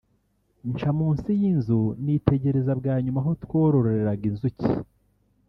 nca munsi y’inzu nitegereza bwa nyuma aho twororeraga inzuki